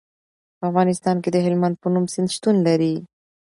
په افغانستان کې د هلمند په نوم سیند شتون لري.